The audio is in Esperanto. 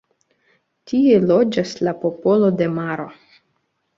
Tie loĝas la popolo de maro.